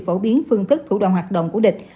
phổ biến phương tức thủ đoàn hoạt động của địch